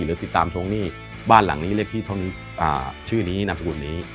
หรือติดตามทวงหนี้บ้านหลังนี้เลขที่เท่านี้ชื่อนี้นามสกุลนี้